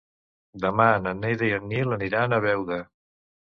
Demà na Neida i en Nil aniran a Beuda.